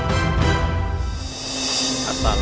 assalamualaikum warahmatullahi wabarakatuh